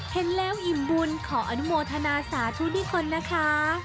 เห็นแล้วอิ่มบุญขออนุโมทนาสาธุนิคนนะคะ